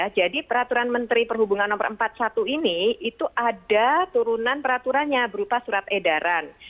jadi peraturan menteri perhubungan no empat puluh satu ini itu ada turunan peraturannya berupa surat edaran